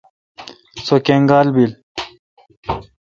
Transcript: سو کنگال بیل۔